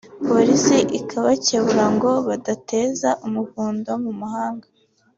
Polisi ikabakebura ngo badateza umuvundo mu muhanda